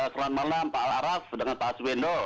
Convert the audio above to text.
selamat malam pak al araf dengan pak aswendo